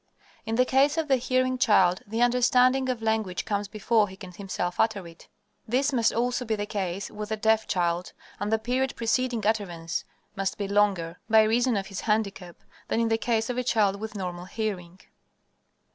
In the case of the hearing child, the understanding of language comes before he can himself utter it. This must also be the case with the deaf child, and the period preceding utterance must be longer, by reason of his handicap, than in the case of a child with normal hearing.